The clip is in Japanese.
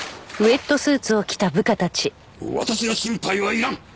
私の心配はいらん！